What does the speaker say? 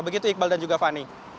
begitu iqbal dan juga fani